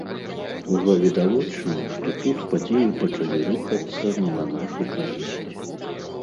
Ужо відавочна, што тут падзеі пачалі рухацца не на нашу карысць.